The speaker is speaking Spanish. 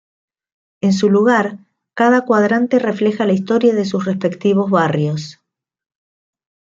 En su lugar, cada cuadrante refleja la historia de sus respectivos barrios.